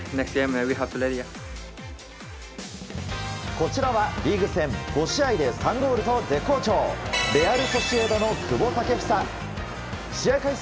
こちらはリーグ戦５試合で３ゴールと絶好調のレアル・ソシエダ、久保建英。試合開始